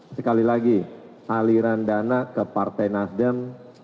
sekali lagi aliran dana ke partai nasdem